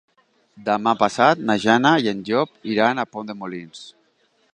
Demà passat na Jana i en Llop iran a Pont de Molins.